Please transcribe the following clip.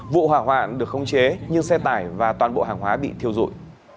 vụ hỏa hoạn được không chế nhưng xe tải và toàn bộ hàng hóa bị thiêu dội